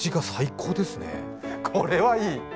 これはいい！